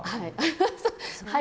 はい。